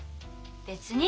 別に。